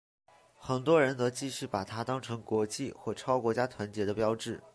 很多人则继续把它当成国际或超国家团结的标志。